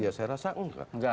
ya saya rasa enggak